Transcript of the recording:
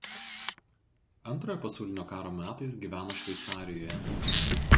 Antrojo pasaulinio karo metais gyveno Šveicarijoje.